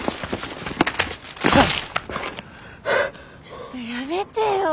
ちょっとやめてよ。